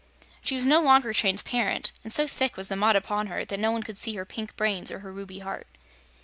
She was no longer transparent and so thick was the mud upon her that no one could see her pink brains or her ruby heart.